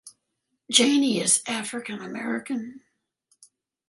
Janey is African American.